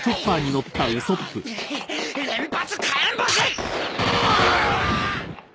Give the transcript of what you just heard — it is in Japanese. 連発火炎星！